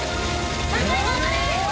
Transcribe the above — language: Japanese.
頑張れ頑張れ！